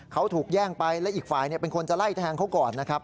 เขาถูกแย่งไปและอีกฝ่ายเป็นคนจะไล่แทงเขาก่อนนะครับ